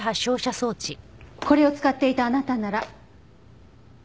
これを使っていたあなたなら。